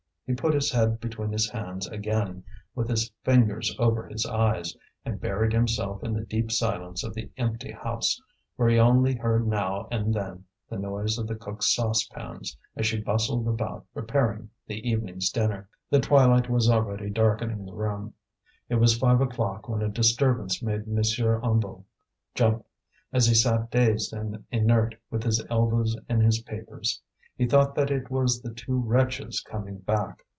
He put his head between his hands again, with his fingers over his eyes, and buried himself in the deep silence of the empty house, where he only heard now and then the noise of the cook's saucepans as she bustled about preparing the evening's dinner. The twilight was already darkening the room; it was five o'clock when a disturbance made M. Hennebeau jump, as he sat dazed and inert with his elbows in his papers. He thought that it was the two wretches coming back.